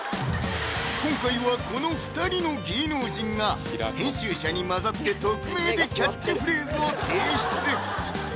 今回はこの２人の芸能人が編集者に混ざって匿名でキャッチフレーズを提出